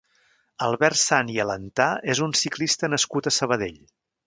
Albert Sant i Alentà és un ciclista nascut a Sabadell.